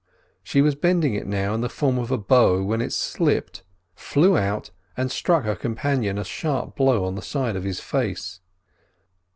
She was bending it in the form of a bow when it slipped, flew out and struck her companion a sharp blow on the side of his face.